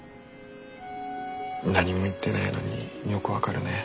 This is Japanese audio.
何も言ってないのによく分かるね。